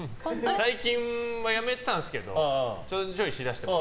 最近やめていたんですけどちょいちょいし出しています。